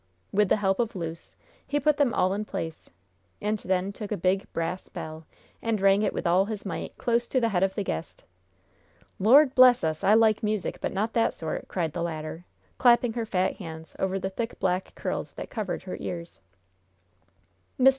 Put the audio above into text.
With the help of Luce, he put them all in place, and then took a big, brass bell, and rang it with all his might close to the head of the guest. "Lord bless us! I like music, but not that sort!" cried the latter, clapping her fat hands over the thick, black curls that covered her ears. Mr.